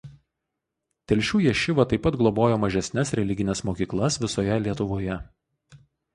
Telšių ješiva taip pat globojo mažesnes religines mokyklas visoje Lietuvoje.